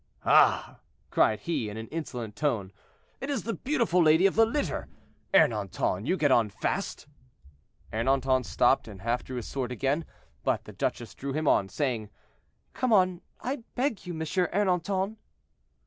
"Ah!" cried he, in an insolent tone, "it is the beautiful lady of the litter. Ernanton, you get on fast." Ernanton stopped and half drew his sword again; but the duchess drew him on, saying, "Come on, I beg you, M. Ernanton."